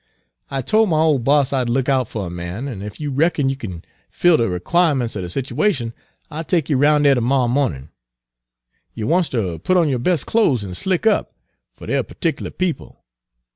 "I tol' my ole boss I'd look out fer a man, an' ef you reckon you kin fill de 'quirements er de situation, I'll take yo' roun' dere ter morrer mornin'. You wants ter put on yo' Page 236 bes' clothes an' slick up, fer dey're partic'lar people.